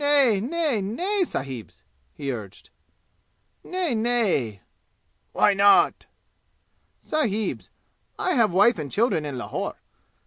"Nay, nay, sahibs!" he urged. "Nay, nay!" "Why not?" "Sahibs, I have wife and children in Lahore.